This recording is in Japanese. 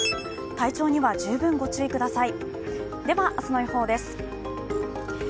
体調には十分ご注意ください。